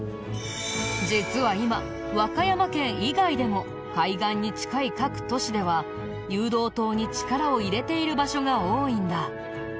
実は今和歌山県以外でも海岸に近い各都市では誘導灯に力を入れている場所が多いんだ。